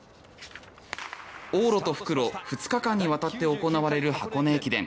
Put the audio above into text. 往路と復路、２日間に渡って行われる箱根駅伝。